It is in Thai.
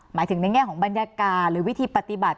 หมายถึงในแง่ของบรรยากาศหรือวิธีปฏิบัติ